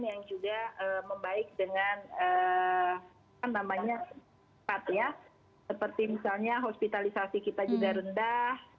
yang juga membaik dengan cepat ya seperti misalnya hospitalisasi kita juga rendah